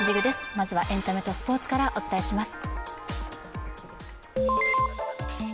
まずはエンタメとスポーツからお伝えします。